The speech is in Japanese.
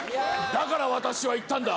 だから私は言ったんだ。